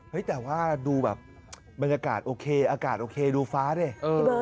แต่ว่าดูแบบบรรยากาศโอเคอากาศโอเคดูฟ้าดิ